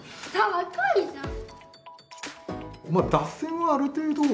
高いじゃん。